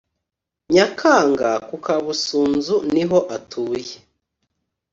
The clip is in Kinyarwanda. Nyakanga ku Kabusunzu niho atuye